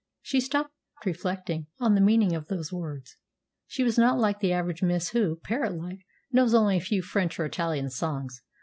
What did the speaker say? She stopped, reflecting on the meaning of those words. She was not like the average miss who, parrot like, knows only a few French or Italian songs.